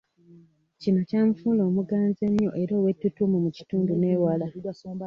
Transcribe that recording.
Kino kyamufuula omuganzi ennyo era ow'ettutumu mu kitundu n'ewala.